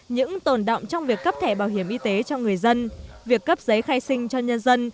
những tồn động trong việc cấp thẻ bảo hiểm y tế cho người dân việc cấp giấy khai sinh cho nhân dân